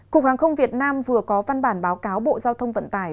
cục hàng không việt nam vừa có văn bản báo cáo bộ giao thông vận tải